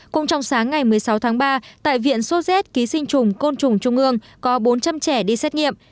cũng trong sáng ngày một mươi sáu tháng ba tại viện sốt z ký sinh trùng côn trùng trung ương có bốn trăm linh trẻ đi xét nghiệm